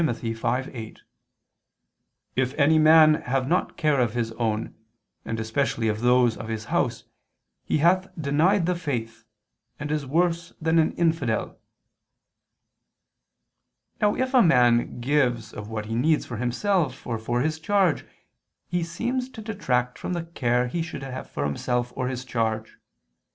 5:8): "If any man have not care of his own, and especially of those of his house, he hath denied the faith, and is worse than an infidel." Now if a man gives of what he needs for himself or for his charge, he seems to detract from the care he should have for himself or his charge.